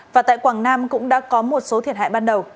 và tại quảng nam cũng đã có một số thiệt hại ban đầu